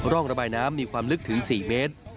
ร่องระบายน้ำมีความลึกถึง๔เมตร